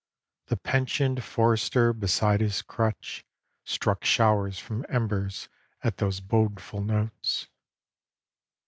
The pensioned forester beside his crutch, Struck showers from embers at those bodeful notes.